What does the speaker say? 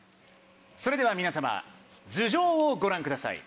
それでは皆さま頭上をご覧ください。